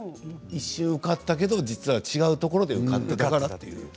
一瞬、受かったけど違うところで受かっていたと。